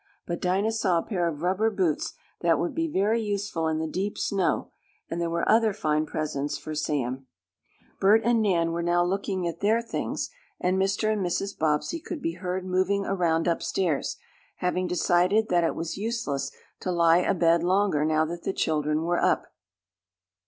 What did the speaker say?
But Dinah saw a pair of rubber boots that would be very useful in the deep snow, and there were other fine presents for Sam. Bert and Nan were now looking at their things, and Mr. and Mrs. Bobbsey could be heard moving around upstairs, having decided that it was useless to lie abed longer now that the children were up.